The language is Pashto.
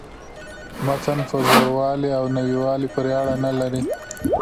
متن په زوړوالي او نویوالي پوري اړه نه لري.